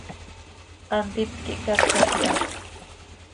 Hantíp quih cacat iha.